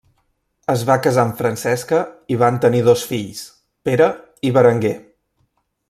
Es va casar amb Francesca i van tenir dos fills, Pere i Berenguer.